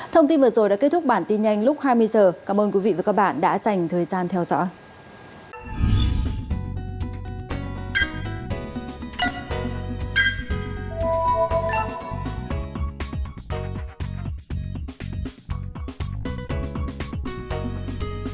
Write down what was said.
thông tin vừa rồi đã kết thúc bản tin nhanh lúc hai mươi h cảm ơn quý vị và các bạn đã dành thời gian theo dõi